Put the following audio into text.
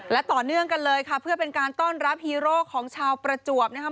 และต่อเนื่องกันเลยค่ะเพื่อเป็นการต้อนรับฮีโร่ของชาวประจวบนะคะ